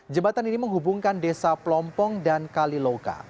jembatan ini menghubungkan desa pelompong dan kaliloka